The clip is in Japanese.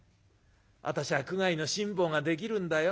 私は苦界の辛抱ができるんだよ』。